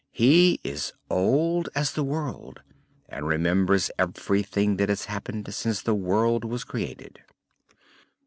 He is old as the world and remembers everything that has happened since the world was created."